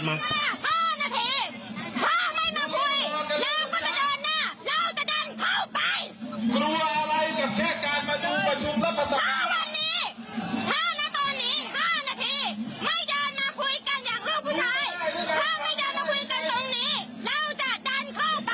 เราก็ไม่ได้มาพูดกันตรงนี้แล้วจะดันเข้าไป